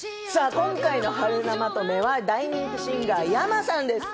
今回のＨＡＲＵＮＡまとめは、大人気シンガー、ｙａｍａさんです。